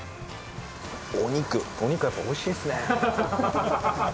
お肉お肉やっぱ美味しいですね。